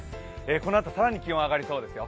このあと更に気温が上がりそうですよ。